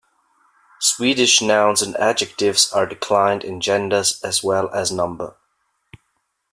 Swedish nouns and adjectives are declined in genders as well as number.